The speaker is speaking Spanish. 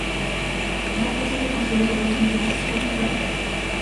La plaza se construyó sobre los antiguos establos reales.